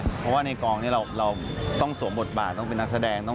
เพราะว่าในกองนี้เราต้องสวมบทบาทต้องเป็นนักแสดง